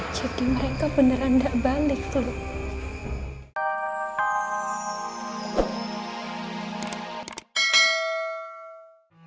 jadi mereka beneran gak balik tuh